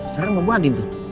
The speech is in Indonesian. sekarang mau ke buah di itu